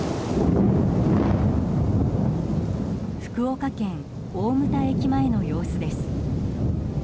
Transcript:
福岡県大牟田駅前の様子です。